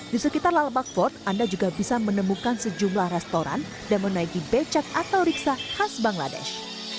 di sekitar lalabak ford anda juga bisa menemukan sejumlah restoran dan menaiki becak atau riksa khas bangladesh